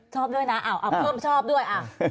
ชอบด้วยนะเพิ่มชอบด้วย